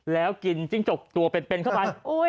แล้วกินจิ้งจกตัวเป็นเข้าไป